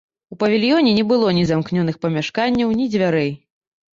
У павільёне не было ні замкнёных памяшканняў, ні дзвярэй.